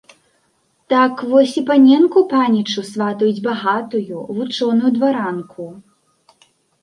Так, вось і паненку панічу сватаюць багатую, вучоную дваранку.